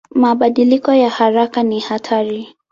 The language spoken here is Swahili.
Mabadiliko ya haraka ni hatari.